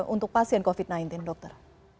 untuk pasien covid sembilan belas dokter